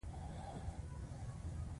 « له آدمه تر دې دمه دغه یو قانون چلیږي